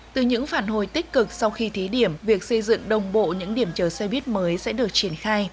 từ những phản hồi tích cực sau khi thí điểm việc xây dựng đồng bộ những điểm chờ xe buýt mới sẽ được triển khai